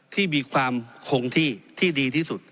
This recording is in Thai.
ที่มีความคงที่ที่ดีที่สุด